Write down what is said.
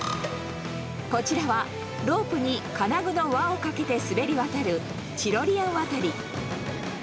こちらは、ロープに金具の輪をかけて滑り渡るチロリアン渡り。